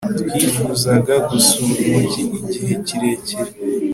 twifuzaga gusura umujyi igihe kirekire